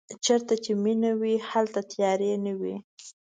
چېرته چې مینه وي هلته تیارې نه وي.